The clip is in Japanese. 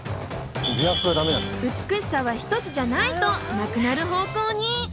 「美しさはひとつじゃない」となくなる方向に。